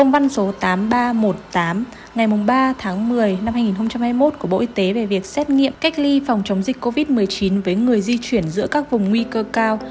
bộ y tế về việc xét nghiệm cách ly phòng chống dịch covid một mươi chín với người di chuyển giữa các vùng nguy cơ cao